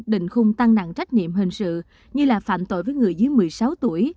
định khung tăng nặng trách nhiệm hình sự như là phạm tội với người dưới một mươi sáu tuổi